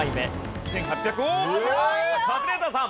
カズレーザーさん。